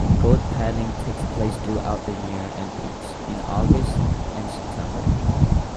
Gold panning takes place throughout the year and peaks in August and September.